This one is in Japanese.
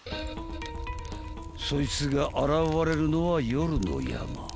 ［そいつが現れるのは夜の山］